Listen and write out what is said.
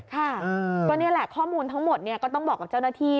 ค่ะก็นี่แหละข้อมูลทั้งหมดก็ต้องบอกกับเจ้าหน้าที่